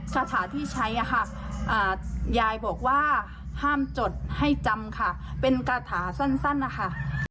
คาถาที่ใช้ค่ะยายบอกว่าห้ามจดให้จำค่ะเป็นคาถาสั้นนะคะ